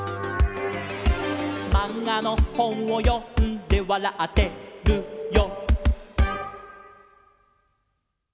「まんがのほんをよんでわらってるよ」